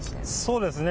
そうですね。